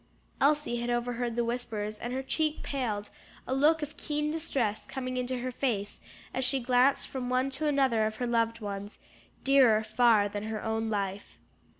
Elsie had overheard the whispers and her cheek paled, a look of keen distress coming into her face as she glanced from one to another of her loved ones, dearer far than her own life.